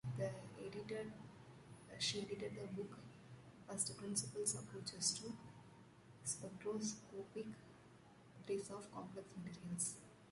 She edited the book "First Principles Approaches to Spectroscopic Properties of Complex Materials".